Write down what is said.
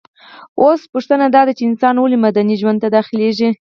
اوس پوښتنه داده چي انسان ولي مدني ژوند ته داخليږي؟